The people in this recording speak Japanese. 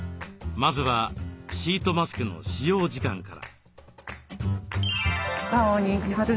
まずはシートマスクの使用時間から。